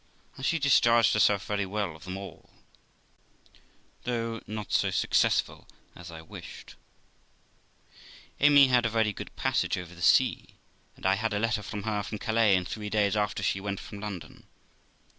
And she discharged herself very well of them all, though not so successful as I wished. Amy had a very good passage over the sea, and I had a letter from her, from Calais, in three days after she went from London.